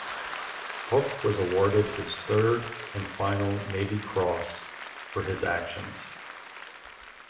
Houck was awarded his third and final Navy Cross for his actions.